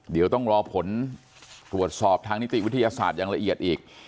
เดี๋ยวต้องรอผลตรวจสอบทางนิติวิทยาศาสตร์อย่างละเอียดอีก